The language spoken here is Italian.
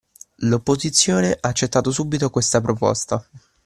L'opposizione ha accettato subito questa proposta